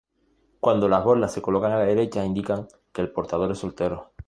Cuando las borlas se colocan a la derecha indican que el portador es soltero.